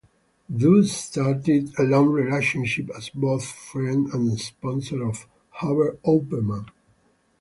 Thus started a long relationship, as both friend and sponsor of Hubert Opperman.